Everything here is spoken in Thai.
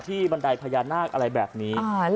บันไดพญานาคอะไรแบบนี้